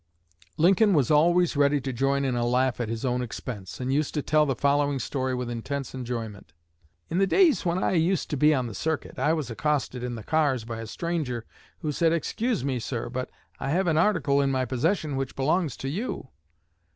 '" Lincoln was always ready to join in a laugh at his own expense, and used to tell the following story with intense enjoyment: "In the days when I used to be 'on the circuit' I was accosted in the cars by a stranger who said, 'Excuse me, sir, but I have an article in my possession which belongs to you.'